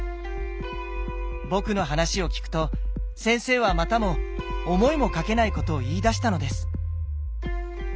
僕の話を聞くと先生はまたも思いもかけないことを言いだしたのです。